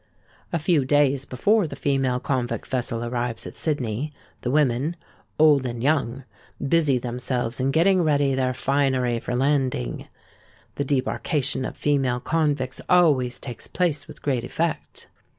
"A few days before the female convict vessel arrives at Sydney, the women—old and young—busy themselves in getting ready their finery for landing. The debarkation of female convicts always takes place with great effect.